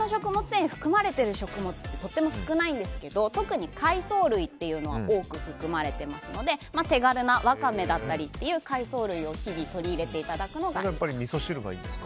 繊維って含まれてる食物ってとても少ないんですが特に海藻類は多く含まれていますので手軽なワカメだったりの海藻類を日々とり入れていただくのが。